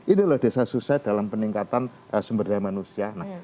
ini loh desa susah dalam peningkatan sumber daya manusia